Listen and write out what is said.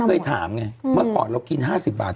เคยถามไงเมื่อก่อนเรากิน๕๐บาท